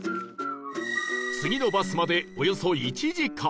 次のバスまでおよそ１時間